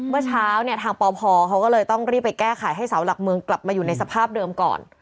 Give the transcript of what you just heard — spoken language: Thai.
เมื่อเช้าเนี่ยทางปพเขาก็เลยต้องรีบไปแก้ไขให้เสาหลักเมืองกลับมาอยู่ในสภาพเดิมก่อน